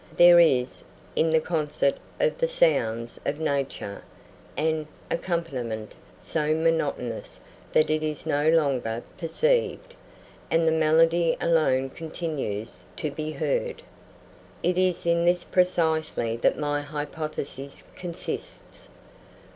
There is, in the concert of the sounds of nature, an accompaniment so monotonous that it is no longer perceived; and the melody alone continues to be heard. It is in this precisely that my hypothesis consists.